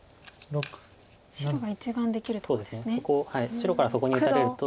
白からそこに打たれると。